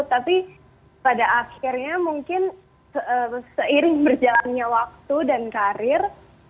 tapi pada akhirnya mungkin seiring berjalannya waktu dan karir